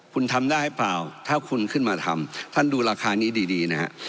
คุณทำได้หรือเปล่าถ้าคุณขึ้นมาทำท่านดูราคานี้ดีนะฮะ